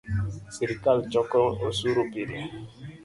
Sirikal choko osuru pile